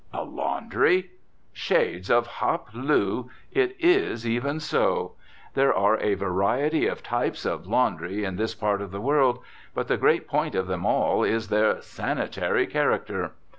A laundry? Shades of Hop Loo! It is even so. There are a variety of types of laundry in this part of the world, but the great point of them all is their "sanitary" character.